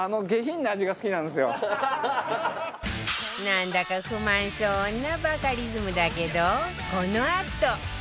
なんだか不満そうなバカリズムだけどこのあと